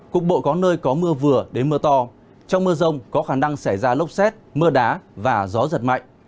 cục bộ có nơi có mưa vừa đến mưa to trong mưa rông có khả năng xảy ra lốc xét mưa đá và gió giật mạnh